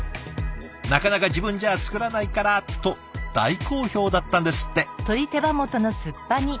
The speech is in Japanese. なかなか自分じゃ作らないからと大好評だったんですって。